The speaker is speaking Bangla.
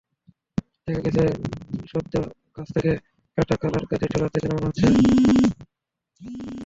দেখা গেছে সদ্য গাছ থেকে কাটা কলার কাঁদি ট্রলার থেকে নামানো হচ্ছে।